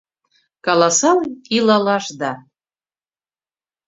Каласалал илалашда